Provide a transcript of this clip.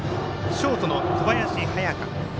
ショートの小林隼翔。